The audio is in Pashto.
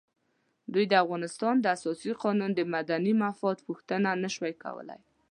دوی د افغانستان د اساسي قانون د مدني مفاد پوښتنه نه شوای کولای.